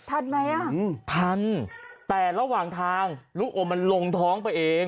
ทันไหมอ่ะอืมทันแต่ระหว่างทางลูกอมมันลงท้องไปเอง